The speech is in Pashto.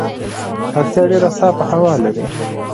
پکتيا ډیره صافه هوا لري